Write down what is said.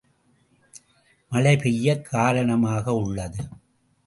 மழை பெய்யக் காரணமாக உள்ளது.